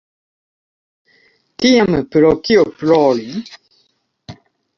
Tiam pro kio plori?